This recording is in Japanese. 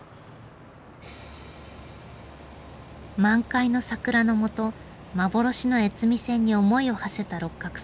満開の桜のもと幻の越美線に思いをはせた六角さん。